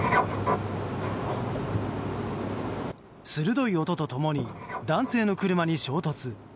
鋭い音と共に男性の車に衝突。